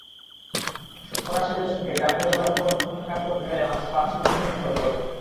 সত্তর-আশির দশকে গ্রামে পরিবার পরিকল্পনার কাজ করতে গেলে মানুষ বাধার সম্মুখীন হতো।